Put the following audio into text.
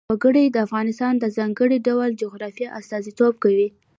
وګړي د افغانستان د ځانګړي ډول جغرافیه استازیتوب کوي.